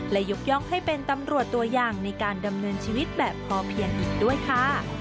และยกย่องให้เป็นตำรวจตัวอย่างในการดำเนินชีวิตแบบพอเพียงอีกด้วยค่ะ